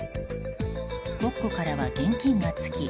国庫からは現金が尽き